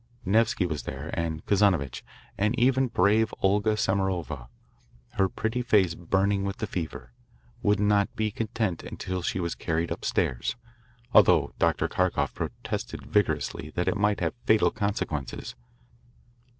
Nevsky was there and Kazanovitch, and even brave Olga Samarova, her pretty face burning with the fever, would not be content until she was carried upstairs, although Dr. Kharkoff protested vigorously that it might have fatal consequences.